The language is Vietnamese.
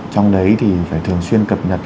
trong đấy thì phải thường xuyên cập nhật